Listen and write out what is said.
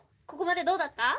ここまでどうだった？